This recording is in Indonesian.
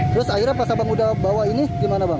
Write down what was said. terus akhirnya pas abang udah bawa ini gimana bang